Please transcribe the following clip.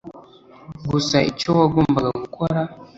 gusa icyo wagombaga gukora.